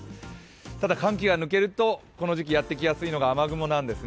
ただ寒気が抜けるとこの時期やってきやすいのが雨雲なんですね。